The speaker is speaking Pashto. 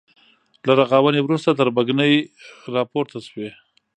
له رغاونې وروسته تربګنۍ راپورته شوې.